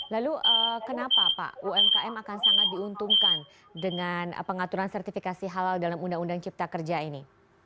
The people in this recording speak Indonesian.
lalu kenapa pak umkm akan sangat diuntungkan dengan pengaturan sertifikasi halal dalam undang undang cipta kerja ini